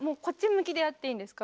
向きでやっていいんですか？